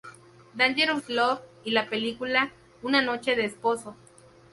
Dangerous Love y la película, una noche de Esposo.